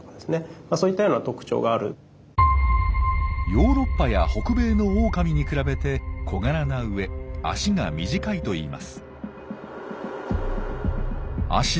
ヨーロッパや北米のオオカミに比べて小柄なうえ脚が短いといいます。